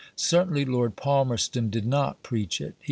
Certainly Lord Palmerston did not preach it.